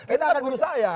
itu akun saya